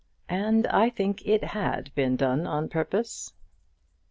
And I think it had been done on purpose.